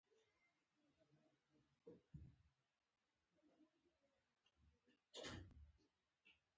که د لومړۍ بېلګې له ازمېښت پرته پراخ تولید وشي، زیان رسوي.